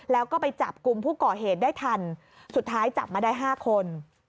แล้วก็ไปจับกลุ่มผู้ก่อเหตุได้ทันสุดท้ายจับมาได้๕คน